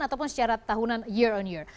ataupun secara tahunan year on year